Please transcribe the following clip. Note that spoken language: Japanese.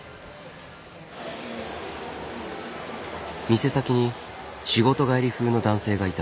店先に仕事帰り風の男性がいた。